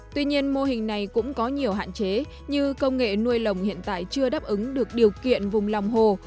tuy nhiên mô hình này cũng có nhiều hạn chế như công nghệ nuôi lồng hiện tại chưa đáp ứng được điều kiện vùng lòng hồ